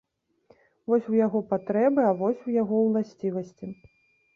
Вось у яго патрэбы, а вось у яго ўласцівасці.